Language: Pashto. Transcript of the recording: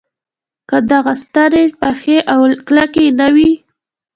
که دغه ستنې پخې او کلکې نه وي.